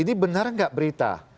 ini benar enggak berita